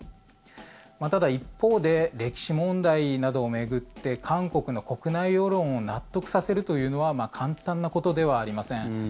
ただ、一方で歴史問題などを巡って韓国の国内世論を納得させるというのは簡単なことではありません。